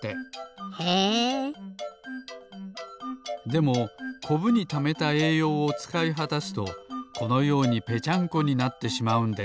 でもコブにためたえいようをつかいはたすとこのようにぺちゃんこになってしまうんです。